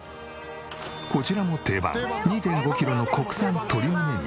こちらも定番２．５キロの国産鶏むね肉。